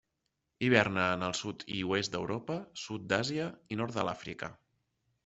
Hiverna en el sud i oest d'Europa, sud d'Àsia i nord de l'Àfrica.